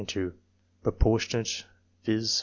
Propor tionate, viz.